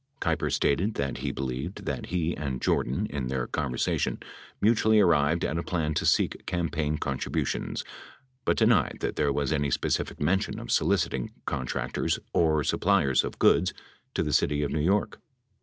Keiper stated that he believed that he and Jordan, in their conversation, mutually arrived at a plan to seek campaign contributions, but denied that there was any specific mention of soliciting contractors or suppliers of goods to the city of New York.